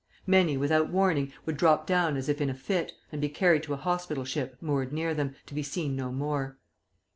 Many, without warning, would drop down as if in a fit, and be carried to a hospital ship moored near them, to be seen no more.